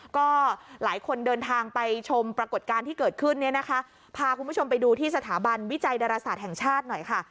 ก็หลายคนเดินทางไปชมปรากฏการณ์ที่เกิดขึ้นเนี่ยนะคะพาคุณผู้ชมไปดูที่สถาบันวิจัยดาราศาสตร์แห่งชาติหน่อยค่ะ